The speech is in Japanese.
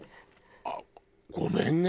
あっごめんね。